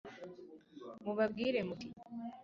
mubabwire muti